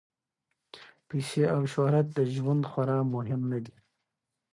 پیسې او شهرت د ژوند خورا مهم نه دي.